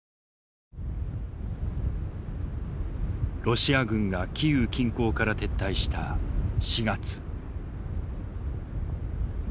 ロシア軍がキーウ近郊から撤退した４月。